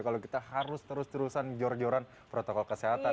kalau kita harus terus terusan jor joran protokol kesehatan